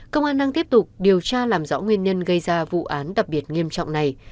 công an đang tiếp tục điều tra làm rõ nguyên nhân gây ra vụ án đặc biệt nghiêm trọng này